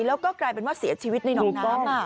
แล้วก็กลายเป็นว่าเสียชีวิตในหนองน้ำ